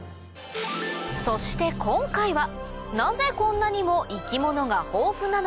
そして今回はなぜこんなにも生き物が豊富なのか？